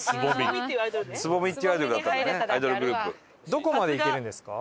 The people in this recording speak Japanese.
どこまで行けるんですか？